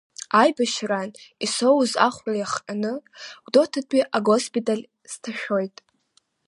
Аибашьраан исоуз ахәра иахҟьаны Гәдоуҭатәи агоспиталь сҭашәоит.